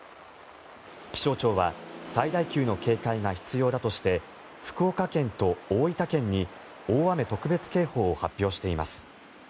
気象庁は最大級の警戒が必要だとして福岡県と大分県に大雨特別警報を発表しています。